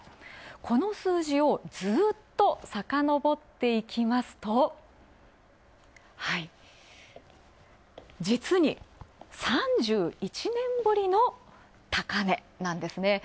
この数字をずっとさかのぼっていきますと実に３１年ぶりの高値なんですね。